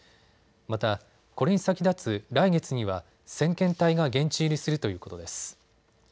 また、これに先立つ来月には先遣隊が現地入りするということです。